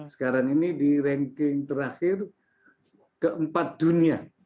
sekarang ini di ranking terakhir keempat dunia